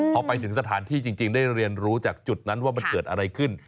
พอไปถึงสถานที่จริงได้เรียนรู้จากจุดนั้นว่ามันเกิดอะไรขึ้น